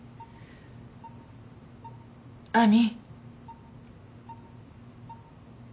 亜美。